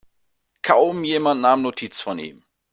Kaum jemand nahm Notiz von ihm.